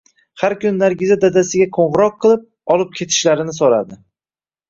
Bir kuni Nargiza dadasiga qo`ng`iroq qilib, olib ketishlarini so`radi